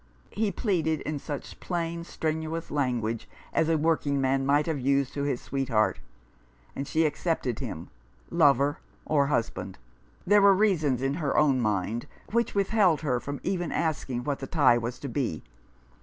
He pleaded in such plain, strenuous language as a working man might have used to his sweetheart. And she accepted him — lover or husband. There were reasons in her own mind which withheld her from even asking what the tie was to be.